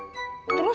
sampai jumpa lagi